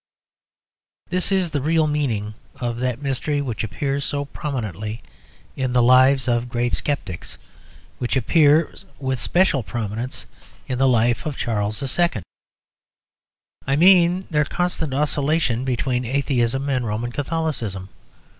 This is the real meaning of that mystery which appears so prominently in the lives of great sceptics, which appears with especial prominence in the life of Charles II. I mean their constant oscillation between atheism and Roman Catholicism.